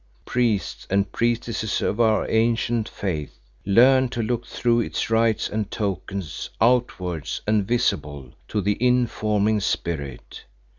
"Priests and priestesses of our ancient faith, learn to look through its rites and tokens, outward and visible, to the in forming Spirit.